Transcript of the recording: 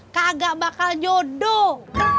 kagak bakal jodoh